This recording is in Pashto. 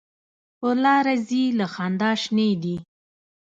په لاره ځي له خندا شینې دي.